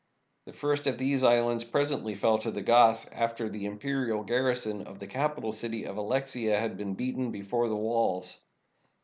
The first of these islands presently fell to the Goths, after the imperial garrison of the capital city of Alexia had been beaten before the walls.